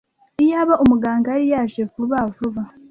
Iyaba umuganga yari yaje vuba vuba.